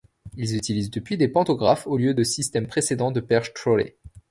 Ils utilisent depuis des pantographes au lieu du système précédent de perche trolley.